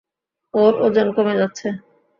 ওর ওজন কমে যাচ্ছে।